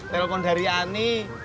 telepon dari ani